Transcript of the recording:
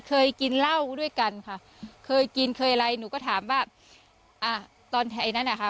เคยกินเหล้าด้วยกันค่ะเคยกินเคยอะไรหนูก็ถามว่าอ่าตอนไทยนั้นอ่ะค่ะ